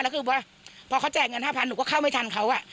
และเหมือนกับว่าพอเขาแจกเงินห้าพัน้าหนูก็เข้าไม่ทันเขาอ่ะ